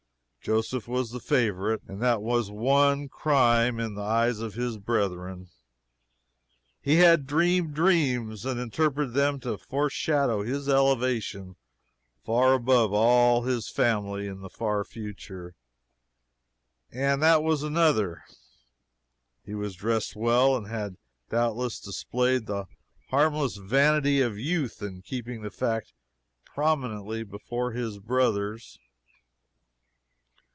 Joseph was the favorite, and that was one crime in the eyes of his brethren; he had dreamed dreams, and interpreted them to foreshadow his elevation far above all his family in the far future, and that was another; he was dressed well and had doubtless displayed the harmless vanity of youth in keeping the fact prominently before his brothers.